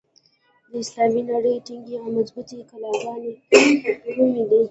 د اسلامي نړۍ ټینګې او مضبوطي کلاګانې کومي دي؟